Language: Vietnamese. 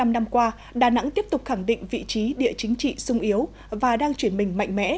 bảy mươi năm năm qua đà nẵng tiếp tục khẳng định vị trí địa chính trị sung yếu và đang chuyển mình mạnh mẽ